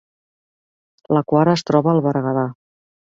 La Quar es troba al Berguedà